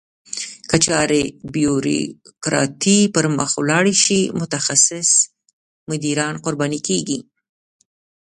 که چارې بیوروکراتیکي پرمخ ولاړې شي متخصص مدیران قرباني کیږي.